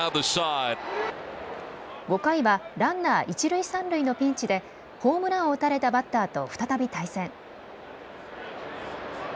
５回はランナー一塁、三塁のピンチでホームランを打たれたバッターと再び対戦。